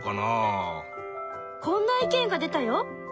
こんな意見が出たよ。